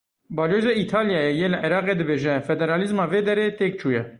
Balyozê Îtalyayê yê li Iraqê dibêje; Federalîzma vê derê têk çûye.